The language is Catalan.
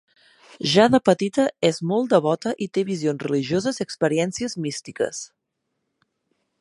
Ja de petita és molt devota i té visions religioses i experiències místiques.